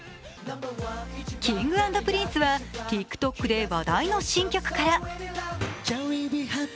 Ｋｉｎｇ＆ＰｒｉｎｃｅはＴｉｋＴｏｋで話題の新曲から。